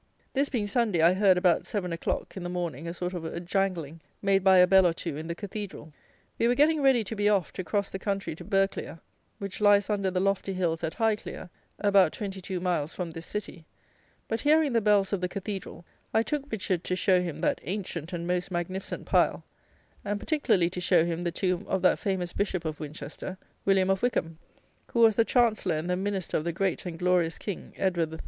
This being Sunday, I heard, about 7 o'clock in the morning, a sort of a jangling, made by a bell or two in the Cathedral. We were getting ready to be off, to cross the country to Burghclere, which lies under the lofty hills at Highclere, about 22 miles from this city; but hearing the bells of the cathedral, I took Richard to show him that ancient and most magnificent pile, and particularly to show him the tomb of that famous bishop of Winchester, William of Wykham; who was the Chancellor and the Minister of the great and glorious King, Edward III.